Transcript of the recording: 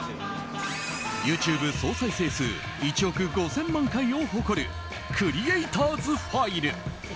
ＹｏｕＴｕｂｅ総再生数１億５０００万回を誇るクリエイターズ・ファイル。